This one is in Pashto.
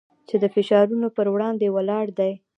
چې د فشارونو پر وړاندې ولاړ دی.